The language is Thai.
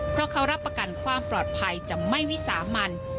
เพราะเขารับประกันความปลอดภัยจะไม่วิสามัน